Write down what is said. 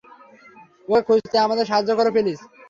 ওকে খুঁজতে আমাদের সাহায্য করো, প্লিজ।